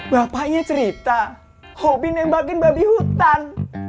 bapaknya cerita hobi nembakin babi hutan